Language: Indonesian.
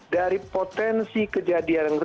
dari potensi kejadian